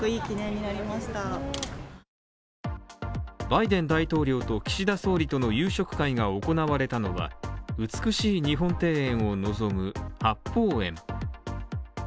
バイデン大統領と岸田総理との夕食会が行われたのは美しい日本庭園を望む、八芳園。